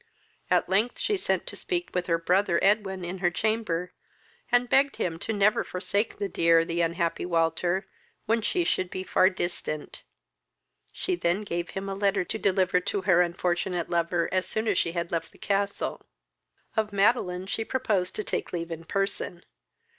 At length she sent to speak with her brother Edwin in her chamber, and begged of him never to forsake the dear, the unhappy Walter, when she should be far distant. She then gave him a letter to deliver to her unfortunate lover as soon as she had left the castle. Of Madeline she proposed taking leave in person.